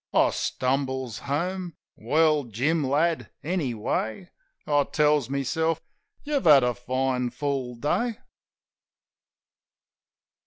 ... I stumbles home. "Well, Jim, lad, anyway," I tells myself, "you've had a fine, full day."